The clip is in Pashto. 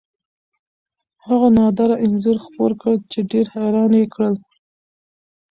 هغه نادره انځور خپور کړ چې ډېر حیران یې کړل.